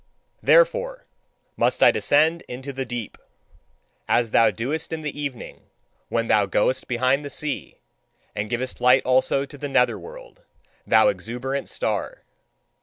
Therefore must I descend into the deep: as thou doest in the evening, when thou goest behind the sea, and givest light also to the nether world, thou exuberant star!